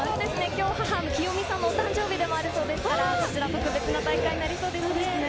今日、母の清美さんの誕生日でもあるそうですから、特別な大会になりそうですね。